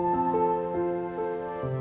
mau berkurung dijual